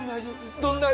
どんな味？